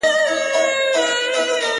پير نه الوزي، مريد ئې الوزوي.